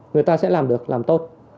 người ta sẽ làm được làm tốt